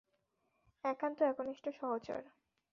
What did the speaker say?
একান্ত একনিষ্ঠ সহচর।